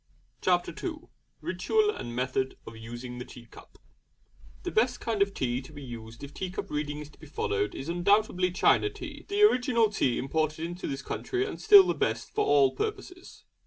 CHAPTER II RITUAL AND METHOD OF USING THE TEA CUP The best kind of tea to use if tea cup reading is to be followed is undoubtedly China tea, the original tea imported into this country and still the best for all purposes.